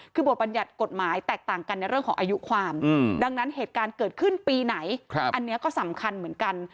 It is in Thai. คือบทบัญญัติกฎหมายแตกต่างกันในเรื่องของอายุความดังนั้นเหตุการณ์เกิดขึ้นปีไหนอันนี้ก็สำคัญเหมือนกัน